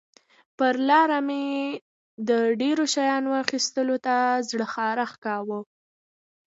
پر لاره مې د ډېرو شیانو اخیستلو ته زړه خارښت کاوه.